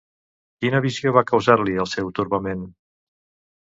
Quina visió va causar-li el seu torbament?